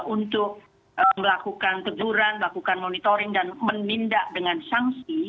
untuk melakukan teguran melakukan monitoring dan menindak dengan sanksi